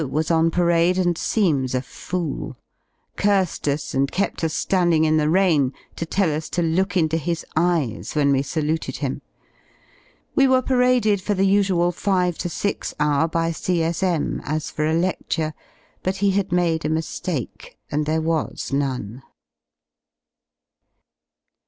was on parade and seems a fool; cursed us, and kept us landing in the rain to tell us to look into his eyes when we saluted him. We were paraded for the usual five to six hour by C.S.M. as for a ledure, but he had made a miAake, and there was none.